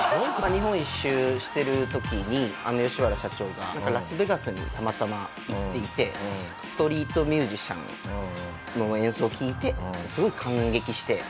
日本一周してる時にヨシワラ社長がラスベガスにたまたま行っていてストリートミュージシャンの演奏を聴いてすごい感激して。